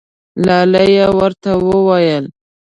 لا لا یې ورته وویل.